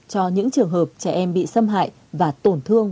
cho những trường hợp trẻ em bị xâm hại và tổn thương